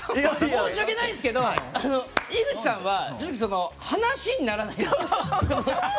申し訳ないんですが井口さんは話にならない。